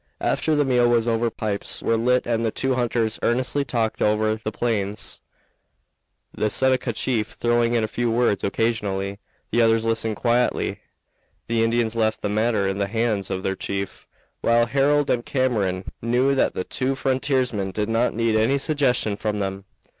After the meal was over pipes were lit and the two hunters earnestly talked over their plans, the Seneca chief throwing in a few words occasionally; the others listened quietly. The Indians left the matter in the hands of their chief, while Harold and Cameron knew that the two frontiersmen did not need any suggestion from them.